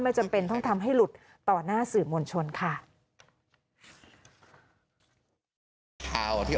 จำเป็นต้องทำให้หลุดต่อหน้าสื่อมวลชนค่ะ